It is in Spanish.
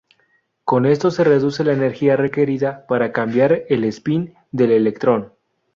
Con esto se reduce la energía requerida para cambiar el espín del electrón.